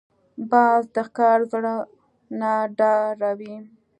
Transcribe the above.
باز د ښکار زړه نه ډاروي